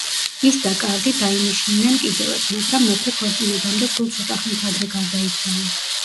ის და კარლი დაინიშნნენ კიდევაც, მაგრამ მეფე ქორწინებამდე სულ ცოტა ხნით ადრე გარდაიცვალა.